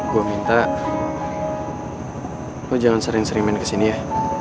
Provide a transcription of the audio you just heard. gue minta gue jangan sering sering main kesini ya